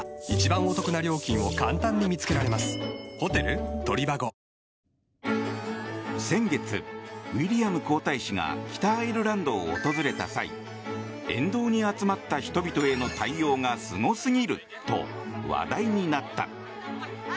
サントリー天然水「ＴＨＥＳＴＲＯＮＧ」激泡先月、ウィリアム皇太子が北アイルランドを訪れた際沿道に集まった人々への対応がすごすぎると話題になった。